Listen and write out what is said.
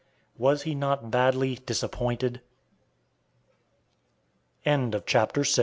Was he not badly disappointed? CHAPTER VII.